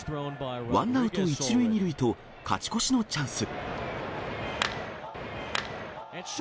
ワンアウト１塁２塁と勝ち越しのチャンス。